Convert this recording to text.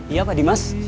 iya pak dimas